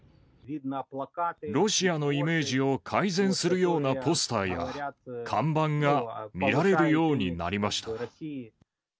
ロシアのイメージを改善するようなポスターや看板が見られるようになりました。